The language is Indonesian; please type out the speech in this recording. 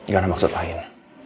gak ada maksud lain